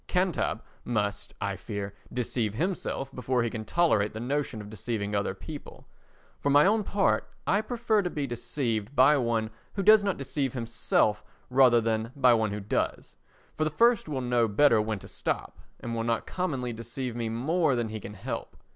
"Cantab" must, I fear, deceive himself before he can tolerate the notion of deceiving other people. For my own part I prefer to be deceived by one who does not deceive himself rather than by one who does, for the first will know better when to stop, and will not commonly deceive me more than he can help.